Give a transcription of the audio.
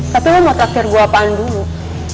tapi lo mau terakhir gue apaan dulu